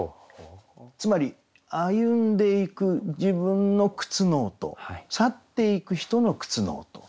つまり歩んでいく自分の靴の音去っていく人の靴の音。